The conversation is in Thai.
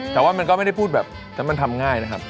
แต่ว่ามันก็ไม่ได้พูดแบบแต่มันทำง่ายนะครับ